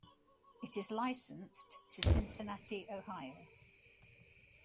It is licensed to Cincinnati, Ohio.